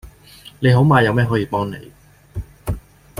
你好嗎有咩可以幫你